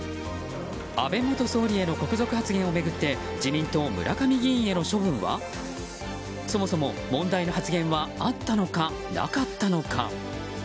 安倍元総理への国賊発言を巡って自民党・村上議員への処分は？そもそも問題の発言はあったのか、なかったのか。